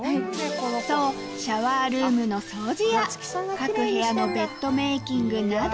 そうシャワールームの掃除や各部屋のベッドメイキングなど